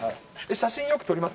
写真よく撮ります？